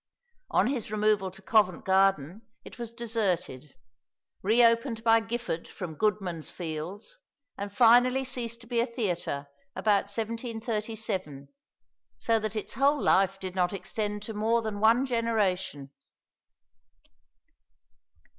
On his removal to Covent Garden it was deserted, re opened by Gifford from Goodman's Fields, and finally ceased to be a theatre about 1737, so that its whole life did not extend to more than one generation.